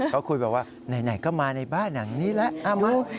เขาคุยแบบว่าไหนก็มาในบ้านอย่างนี้แหละอ้าวมึง